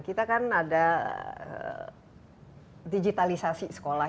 kita kan ada digitalisasi sekolah